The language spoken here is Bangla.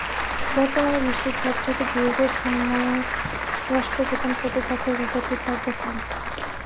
বর্তমানে বিশ্বের সবথেকে দীর্ঘসময় রাষ্ট্রপ্রধান পদে থাকার রেকর্ডটি তার দখলে।